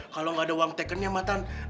kalau gak ada uang tekernya mah tan